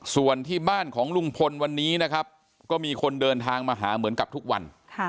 ส่วนที่บ้านของลุงพลวันนี้นะครับก็มีคนเดินทางมาหาเหมือนกับทุกวัน